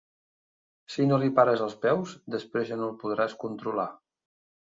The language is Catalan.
Si no li pares els peus, després ja no el podràs controlar.